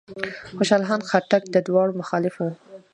خوشحال خان خټک د دواړو مخالف و.